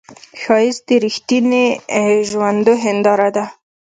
ښایست د رښتینې ژوندو هنداره ده